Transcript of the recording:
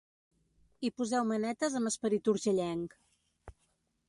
Hi poseu manetes amb esperit urgellenc.